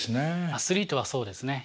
アスリートはそうですね。